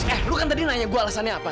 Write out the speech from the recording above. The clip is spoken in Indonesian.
eh lu kan tadi nanya gue alasannya apa